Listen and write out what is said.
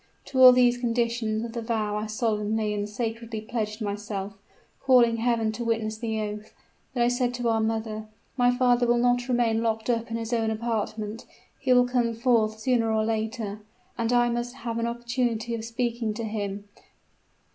To all these conditions of the vow I solemnly and sacredly pledged myself, calling Heaven to witness the oath. But I said to our mother, 'My father will not forever remain locked up in his own apartment; he will come forth sooner or later, and I must have an opportunity of speaking to him.